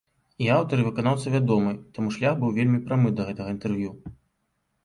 А аўтар і выканаўца вядомы, таму шлях быў вельмі прамы да гэтага інтэрв'ю.